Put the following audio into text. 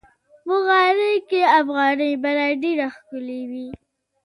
په غالۍ کې افغاني بڼه ډېره ښکلي وي.